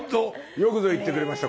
よくぞ言ってくれました。